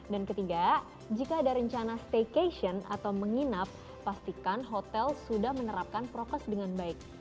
dan ketiga jika ada rencana staycation atau menginap pastikan hotel sudah menerapkan prokes dengan baik